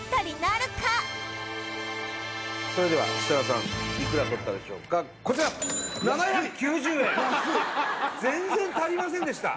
それでは設楽さんいくら取ったでしょうかこちら７９０円安い全然足りませんでした